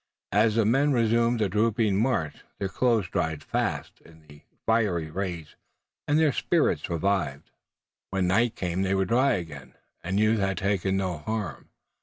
As the men resumed a drooping march their clothes dried fast in the fiery rays and their spirits revived. When night came they were dry again, and youth had taken no harm.